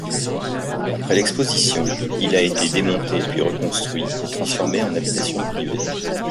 Après l'Exposition, il a été démonté puis reconstruit et transformé en habitation privée.